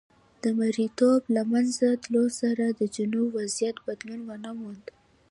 د مریتوب له منځه تلو سره د جنوب وضعیت بدلون ونه موند.